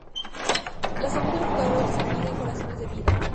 La salud del jugador se mide en "Corazones de vida".